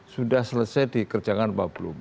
sudah selesai dikerjakan apa belum